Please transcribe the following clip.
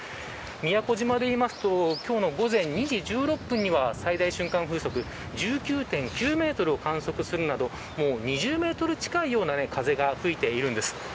宮古島でいいますと今日の午前２時１６分には最大瞬間風速１９．９メートルを観測するなど２０メートル近いような風が吹いているんです。